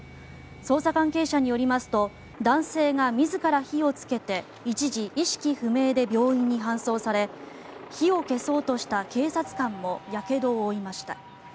捜査関係者によりますと男性が自ら火をつけて一時、意識不明で病院に搬送され火を消そうとした警察官もやけどを負いました。